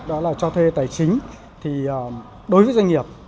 đó là cho thuê tài chính thì đối với doanh nghiệp